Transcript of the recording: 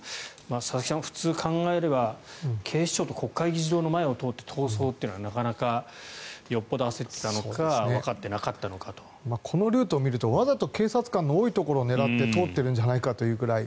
佐々木さん、普通、考えれば警視庁と国会議事堂の前を通って逃走というのは、なかなかよっぽど焦ってたのかこのルートを見るとわざと警察官の多いところを狙って通ってるんじゃないかというくらい。